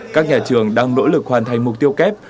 các nhà trường đang nỗ lực hoàn thành mục tiêu kép